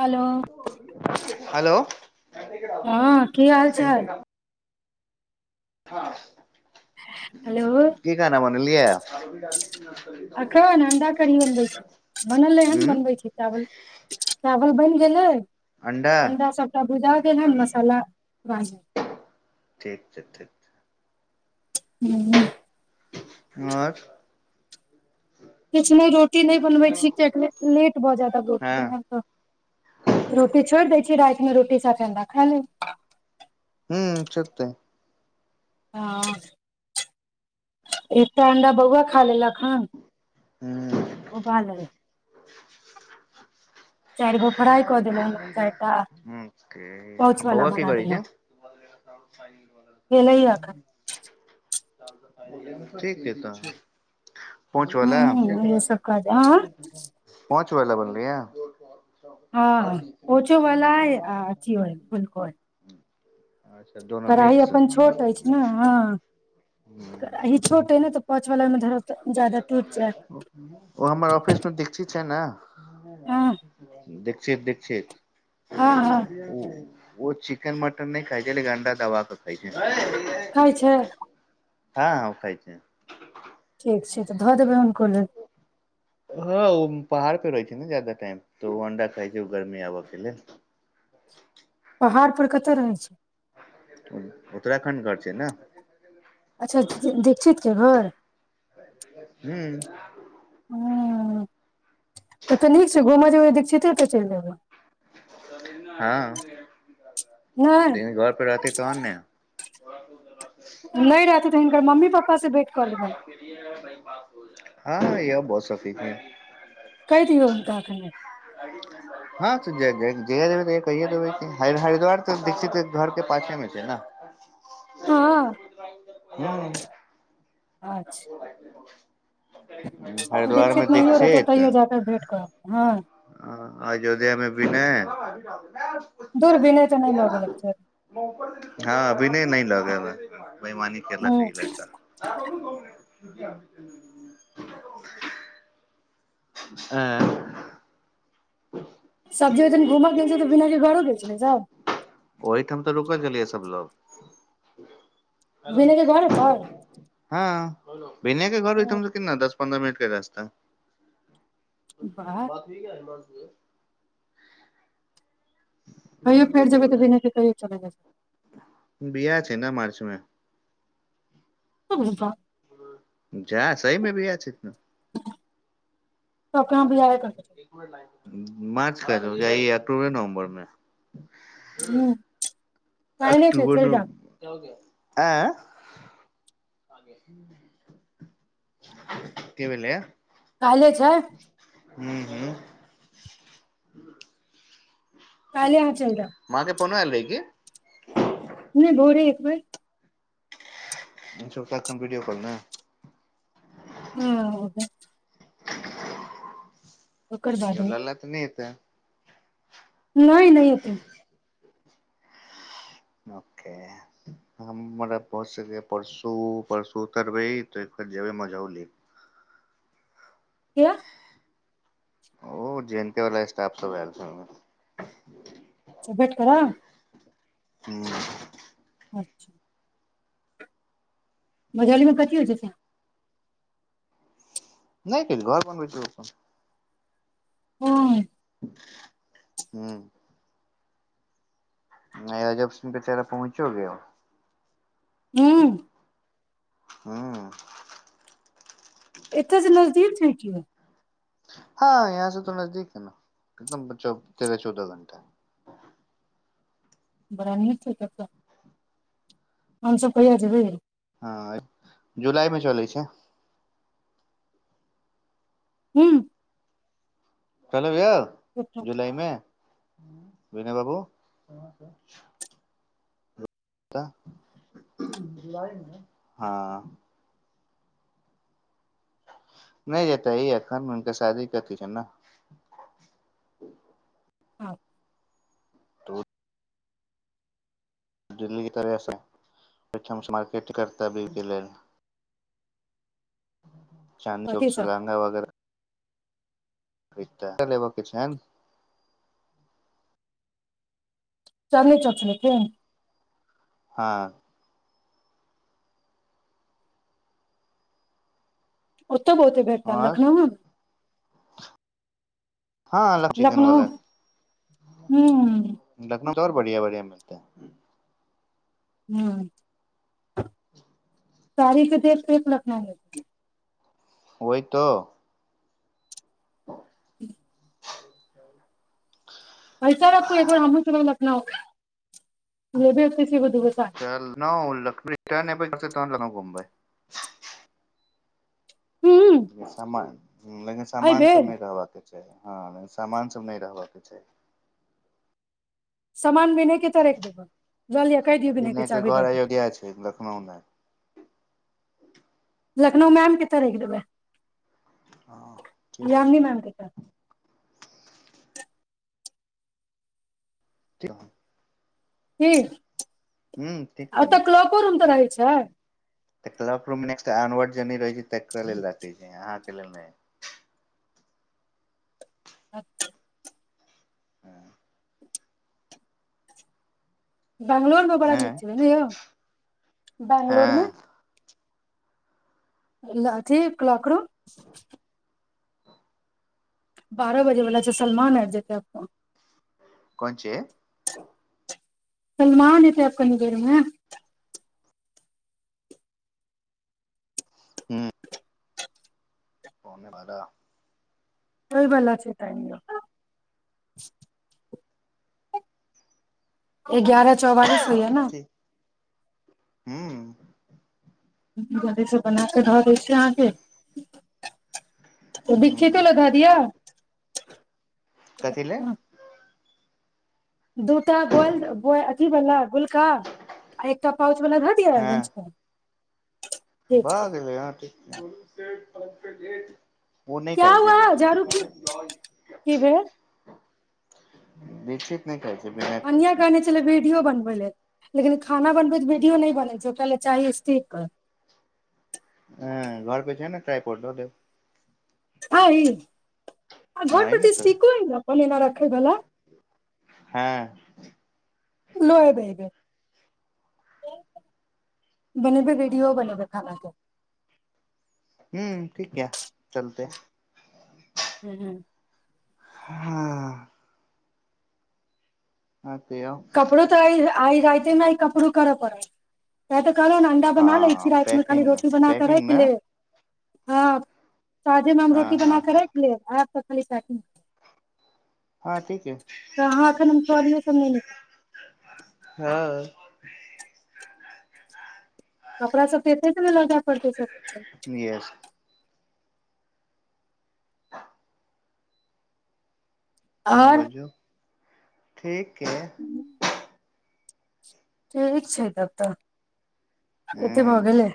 Hello hello हँ की हाल चाल [unintelligible] हँ की खाना बन सुनलियै एखन अण्डा कड़ी बनबै छी बनल हन उ ने बनबै छी चावल चावल कि भेलै अंडा अण्डा सभटा बुझा गेल हन मसाला बा ठीक छै ठीक छै। हू आओर किछु नहि रोटी नहि बनबै छी कियक लेट भऽ जायत हँ रोटी बना कऽ रोटी छोड़ि दै छी राति रोटी साथे अंडा खा लेब हुँ सत्ये हँ एकटा अणडा बहुुआ खालेलक हँ ओ वाल फ्राई कऽ देलहुँ चारि टा हुँ ओ पाउच वाला बौआ की बना करै देलहुँ छै भेलैये अखन ठीक छै तऽ पहुंचगेला हूँ हूँ इहे सब काज अहाँ पहुंच तोरेला बनलय या हँ पोचो भला ह आ अची बुलको अच्छा दोनो कराही मिक्स अपन छोट अछि ने हँ एहि छोट अछि ने तऽ पाँच वला मे धरब तऽ ज्यादा टूटि जायत ओ हमर ऑफिस मे देखथिन छै ने हँ देख सिर्फ दीक्षित हँ हँ हुँ ओ चिकेन मटन नहि खाइ छै गन्दा दवा द खाइ छै खाइ छै हँ ओ खााय छै ठीक छै तऽ धऽ देब हुनको लय हँ ओ पहाड़ पे रहै छै ने जाादा टाइम तऽ ओ अंडा खाइ छै गर्मी आबय के लेल पहाड़ पर कतय रहै छै उत्तराखण्ड घर छै ने अच्छा दीक्षित जे घर हू ह तऽ नीक छै घूमय जेबै दीक्षिते तऽ चलि अयबै हँ लेकिन नहि घर परे रहती तहन ने नहि रहतै तऽ हिनकर मम्मी पप्पास से भेंट कऽ लेबनि हँ य बस सफीकें कइह दियो हुनका एखने हँ तजेबै जहिया जेबै तहिया तऽ कहिए देबै हर हरि हँ [unintelligible] हुँ लाग अच्छा [unintelligible] हरिद्वार मे दीक्षित नहियो रहतै दिक्षित तैयो जाकऽ भेंट करब हँ अयोध्या मे बिनय आजहि [unintelligible] दूर विनय तऽ नहि लोगे लग छै हँ विनय लगे नहि [inaudible] बइमानी केलक अ ई लड़का सु [inaudible] ऐं बझ जाउ ओहिठाम तऽ रुकल छलियै सबलोग हेलो बिना के घरे पर हँ बोलो विनय के घर ओय ठिम से कितना दस पन्द्रह मिनट के रस्ता वाह बात होइय अजमान कहियो फेर जेबै तऽ बिने त कहियौ चलय लै संगे बपा [unintelligible] जा सहीमे बियाह छै तऽ सब काम बरे बुझाबे ब करतै एक मिनट लाइन मार्च कतऽ जाय ये अक्टूबरे नवम्बर मे हुँ काल्हि छै अक्टूबर चलि ने जाउ ऐं कि भेलै ये काहिले छै हूं हूं काहिले अहाँ चलि जाउ के फोनो एल रहै कि नहि भोरे एक बेर इस वीडियो कॉल ने हँ ओकर बाद लला तऽ नहि एतै नहि नहि एतै ओ हमरा पहुच स परसू परसू उतरबै तऽ एकर जेबै मझौली किये ओ जे एन के वला स्टाफ सब एल छै ओहिमे वेट करब हूँ अच्छा मझौलीमे कथी होइ छै से नहि किछ घर मे बैसबै अपन हँ हूँ नहि अजब सिंह बेचारा पहुँचो गेल हूँ ह्म एतऽ से नजदीक छै की ओ हँ यहाँ से तो नजदीक है ने एक तेरह चौदह घंटा बड़ा नीक छै तब तऽ हम सब कहिया जेबै हँ जुलाईमे चलै छै हूँ चलब यौ जुलाई मे विनय बाबू हँ नहि जेतै ई एखन हुनका शादी के अथी छैन ने हँ तऽ दिल्लीे तरहसँ ठम सँ मारकेट करता ओहि के लेल चाँदी कथी चौक सब सुलाङंगा वगैरह एकटा लहंगा लेबऽ के छैन चाँदनी चौक सँ लेथिन हँ ओ ओतौ बहुते भेटतैन और लखनऊओमे हँ चिकन लखनउ वाला हूँ आओर बढ़िया बढ़िया मिलत अहाँ के हूँ सारी के देख लखनउ ओहि तो ह [inaudible] ह्म पैसा रखू तू एक बेर हमहुँ चुनैलै नक चल न रिटर्न तहन एम्हर घुमबै हूं सान लेकिन एहि सामान सब बेर नहि रहबाक के हँ सामान सब नहि रहबयके छै सामान विनय के एतऽ राखि देबै बुझलियै कहि दियौ विनय के चाभी घर दऽ देत अयोध्या छै लखनऊ मे लखनउमे मैम के एतऽ राखि देबै हँ ठीक यामनी छै मैम के एतऽ क [inaudible] कि ठीक छै अतऽ ने क्लॉको रूम तक छै तऽ clock room next onward journey रहैत छै तकरा लेल राखै छै अहाँके लेल नहि अच्छा [inaudible] बैंगलोरमे बड़ा नीक हँ छैलै ने यौ बैंगलोरमे हँ अथी क्लॉक रूम बारह बजै वला छै सलमान आबि जेतै अपन कोनची सलमान एतै आब कनि देेरमे हँ पौने बारह होइ बला छै टाइम यौ एगारह चौवालिस होइय ने ठीक हूँ जल्दी से बना कऽ धऽ दै छियै अहाँ के तऽ बिस्कीटे हूँ ले धऽ दिय कथी लेल दूटा बोल अथी बला गोल का एकटा पाउच वाला धऽ दिय हँ लंच पर भऽ गेलै हँ ठीक छै पर गेट ओ नहि क्या खाइ छै हुआ झाड़ू बिस्कीट की की भेल बिस्कीट नहि खाइ छै विनय खाइ कनियां छै कहने छेलै वीडियो बनबै ले लेकिन खाना बनबैत वीडियो नहि बनै छै कैले चाही स्टिकर ह घर पे छै ने राय पल दे [unintelligible] हँ ई आ हँ घर है ने प्रति तऽ ठीक कोनामे रखै बला हँ न बोलबै बनेबै बिडियो बनेबै खाना के ह्म ठीक ये चलतै हूँ हँ अहाँ के आउ कपड़ो तऽ आइ आइ रातिये नहि कपड़ू कर परत कहलु ने अंडा बना लैत छी हँ राति मे खाली पैकिंग रोटी बना कऽ पैकिंग राखि ने लेब हँ साझेमे हम हँ रोटी बना हँ के हँ राखि लेब अहाँ सभ खाली सा किन हँ ठीक ह [unintelligible] कहाँ एखन हम परले छेलियै नऽ हँ कपड़ा सब तऽ एतै सँ ने लऽ जे पड़तै सब येस हँ आओर बाजियौ ठीके ठीक छै तब तऽ कतेक भऽ गेलै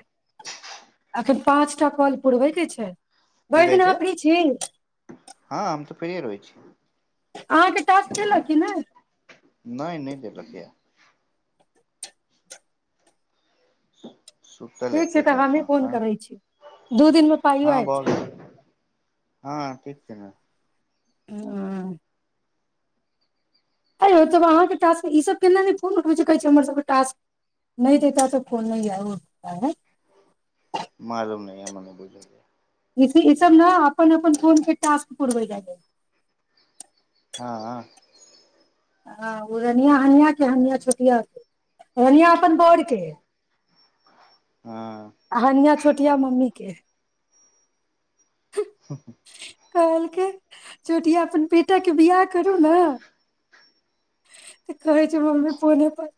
अखैन पाँच टा फल पुरबै के छै की भरि कहै दिन अहाँ फ्री छी छियै हँ हम तऽ फ्रीये रहै छी अहाँके टास्क केलक कि नहि नहि नहि देलक य सुतल ठीक छै हेतै तऽ हमही कखन फोन हँ करैत छी दू दिनमे पाइयो हँ आबि भऽ जायत गेल हँ ठीक छै ने हँ ऐं यौ तब अहाँके टास्क ई सभ केना नहि फोन उठबै छै कहै छै हमर सभके टास्क नहि दैते तऽ फोन नहि आएत आबौ मालूम नहि हमरा नहि बुझल ये इस ई सब ने अपन अपन फोन के टास्क पुरबै जाय ये हँ हँ उ रनियां अनियां रनियां छोटिया के रनियां अपन बरके हँ आ हनियां छोटिया मम्मी के हूँ हूँह कहलकै छोटिया अपन बी टेक के बियाह करू ने त कहै छै मम्मी पने पर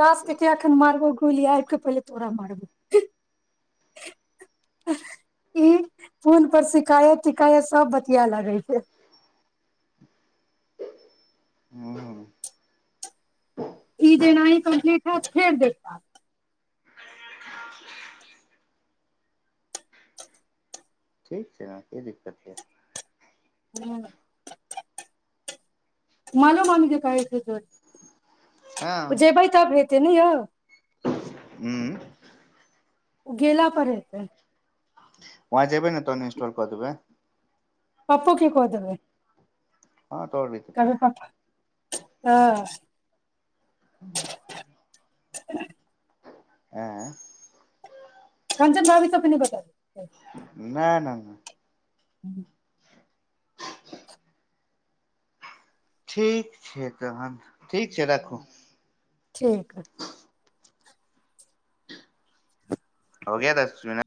तास क एखन मारबो कुल आरके पहिले तोरा मारबौ उं फोन पर शिकायत तिकायत सभ बतिया लागै छै हूँ ई जेनाही कम्प्लीट हैत फेर देत टास्क ठीक छै यहाँ की दिक्कत यऽ मामो मामी जे कहै छै से जेबइ तब हेत त नहि य ह्म ओगा पड़ैत वहाँ जेबै ने तोन इंस्टॉल कऽ देबै प्पू क कह देबै हँ तोर भी त हँ ह [unintelligible] आँ कञ्चन भाभी सब अपने बता द नहि नहि नहि ह्म ठीक छै तहन ठीक छै राखू ठीकीक ह हो गया दस बिना